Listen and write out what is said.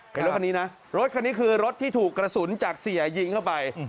เป็นรถคันนี้นะรถคันนี้คือรถที่ถูกกระสุนจากเสียยิงเข้าไป